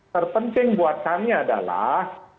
terpenting buat kami adalah